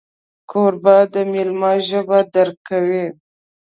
کوربه د میلمه ژبه درک کوي.